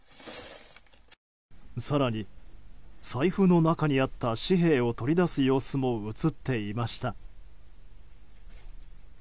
更に、財布の中にあった紙幣を取り出す様子も映っていました。